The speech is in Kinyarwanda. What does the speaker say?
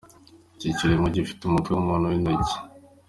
Iki kiremwa gifite umutwe w’ umuntu n’ intoki.